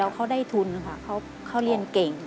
เขาได้ทุนค่ะเขาเรียนเก่ง